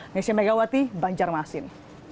nesya megawati banjarmasin